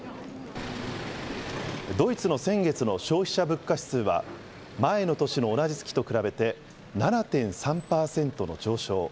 ドイツの先月の消費者物価指数は前の年の同じ月と比べて７．３％の上昇。